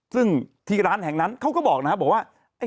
ซึ่งที่ร้านแห่งนั้นเขาก็บอกนะครับบอกว่า